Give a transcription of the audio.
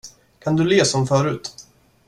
Kan du le som förut?